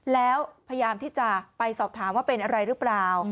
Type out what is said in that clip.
แล้วพยายามที่จะไปสอบถามว่าเป็นอะไรหรือเปล่า